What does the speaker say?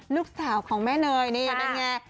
ลูกสาวของแม่เนยนี่เป็นไง